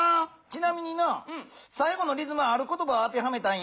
ちなみになさい後のリズムはある言ばを当てはめたんやで。